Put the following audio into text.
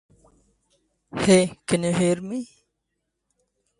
He is currently a crew chief for Chip Ganassi Racing.